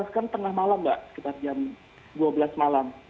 kan tengah malam mbak sekitar jam dua belas malam